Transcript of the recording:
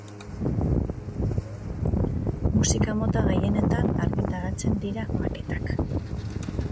Musika mota gehienetan argitaratzen dira maketak.